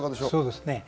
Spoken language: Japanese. そうですね。